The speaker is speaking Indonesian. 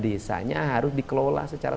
desanya harus dikelola secara